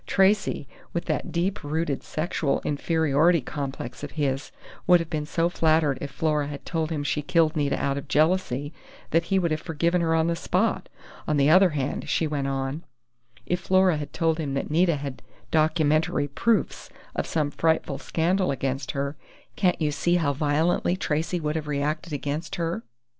Tracey, with that deep rooted sexual inferiority complex of his, would have been so flattered if Flora had told him she killed Nita out of jealousy that he would have forgiven her on the spot. On the other hand," she went on, "if Flora had told him that Nita had documentary proofs of some frightful scandal against her, can't you see how violently Tracey would have reacted against her?...